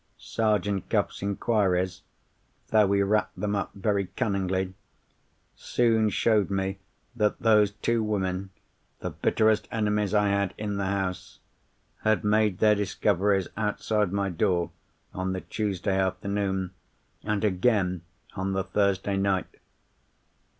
Sergeant Cuff's inquiries—though he wrapped them up very cunningly—soon showed me that those two women (the bitterest enemies I had in the house) had made their discoveries outside my door, on the Tuesday afternoon, and again on the Thursday night.